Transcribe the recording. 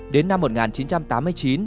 đến năm một nghìn chín trăm tám mươi chín